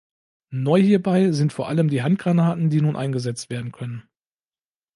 Neu hierbei sind vor allem die Handgranaten, die nun eingesetzt werden können.